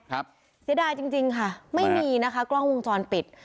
เสียดายจริงจริงค่ะไม่มีนะคะกล้องวงจรปิด